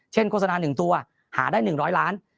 เช่นโฆษณา๑ตัวหาได้๑๐๐ล้านบาท